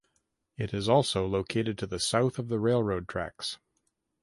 It is also located to the south of the railroad tracks.